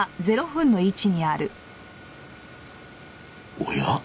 おや？